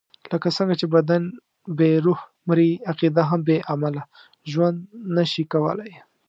لکه څنګه چې بدن بې روح مري، عقیده هم بې عمله ژوند نشي کولای.